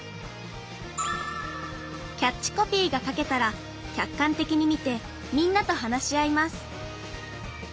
キャッチコピーが書けたら客観的に見てみんなと話し合います